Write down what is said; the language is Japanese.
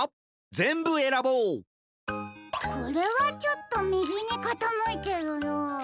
ぜんぶえらぼうこれはちょっとみぎにかたむいてるなあ。